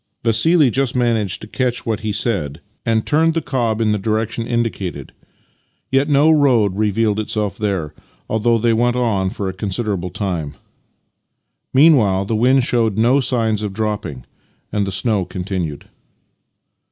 Vassili just managed to catch what he said, and 14 Master and Man turned the cob in the direction indicated; yet no road revealed itself there, although they went on for a considerable time. Meanwhile the wind showed no signs of dropping, and the snow continued.